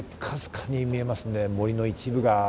かすかに見えますね、森の一部が。